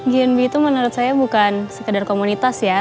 genb itu menurut saya bukan sekedar komunitas ya